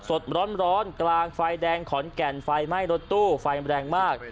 สดร้อนกลางฝ่ายแดงขอนแก่นฝ่ายไปรถตู้ฝ่ายรั่งมาก